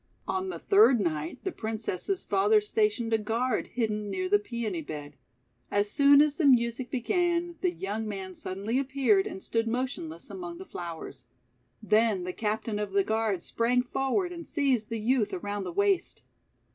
On the third night, the Princess's father sta tioned a guard hidden near the Peony bed. As soon as the music began, the young man sud 4G THE WONDER GARDEN denly appeared, and stood motionless among the flowers. Then the captain of the guard sprang forward and seized the youth around the waist.